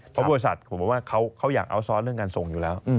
เพราะบริษัทผมบอกว่าเขาอยากเอาซ้อนเรื่องการส่งอยู่แล้ว